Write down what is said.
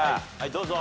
どうぞ。